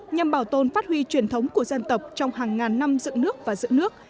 nhằm bảo tồn phát huy truyền thống của dân tộc trong hàng ngàn năm dựng nước và dựng nước